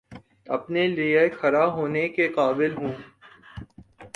اپنے لیے کھڑا ہونے کے قابل ہوں